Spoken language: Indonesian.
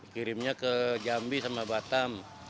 kirimnya ke jambi sama batam